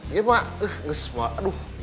ya pak aduh